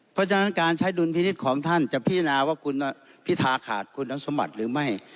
เพราะฉะนั้นการใช้ดุลพินิษฐ์ของท่านจะพิจารณาว่าคุณพิธาขาดคุณสมบัติหรือไม่